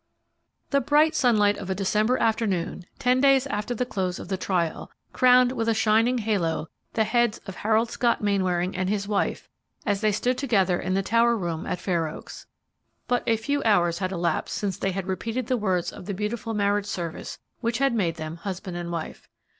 The bright sunlight of a December afternoon, ten days after the close of the trial, crowned with a shining halo the heads of Harold Scott Mainwaring and his wife as they stood together in the tower room at Fair Oaks. But a few hours had elapsed since they had repeated the words of the beautiful marriage service which had made them husband and wife.